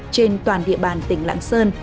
trên toàn địa bàn tỉnh lạng sơn